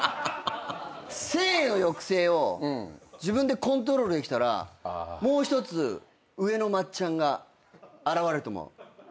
性の抑制を自分でコントロールできたらもう一つ上のまっちゃんが現れると思う。